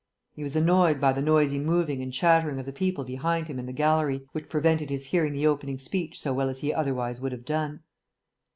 He was annoyed by the noisy moving and chattering of the people behind him in the gallery, which prevented his hearing the opening speech so well as he otherwise would have done.